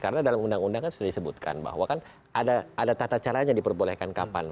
karena dalam undang undang kan sudah disebutkan bahwa kan ada tata caranya diperbolehkan kapan